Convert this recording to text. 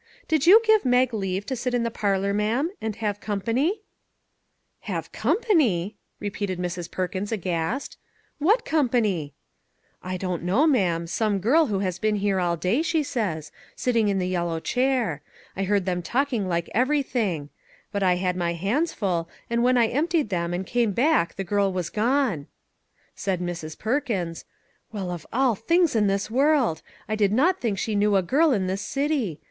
" Did you give Mag leave to sit in the parlor, ma'am, and have company ?"" Have company !" repeated Mrs. Perkins, aghast. " What company ?"" I don't know, ma'am ; some girl who has been here all day, she says; sitting in the yel low chair. I heard them talking like every thing; but I had my hands full, and when I emptied them and came back the girl was gone." Said Mrs. Perkins :" Well of all things in this world ! I did not think she knew a girl in this city.